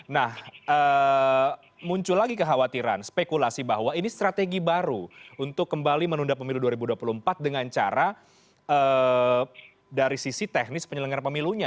nah muncul lagi kekhawatiran spekulasi bahwa ini strategi baru untuk kembali menunda pemilu dua ribu dua puluh empat dengan cara dari sisi teknis penyelenggara pemilunya